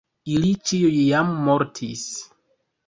Ili ĉiuj jam mortis.